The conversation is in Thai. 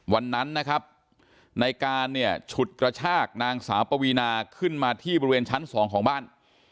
วันนั้นนะครับในการเนี่ยฉุดกระชากนางสาวปวีนาขึ้นมาที่บริเวณชั้น๒ของบ้าน